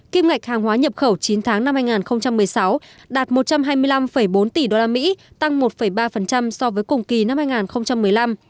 kim ngạch hàng hóa nhập khẩu chín tháng năm hai nghìn một mươi sáu đạt một trăm hai mươi năm bốn tỷ usd tăng một ba so với cùng kỳ năm hai nghìn một mươi năm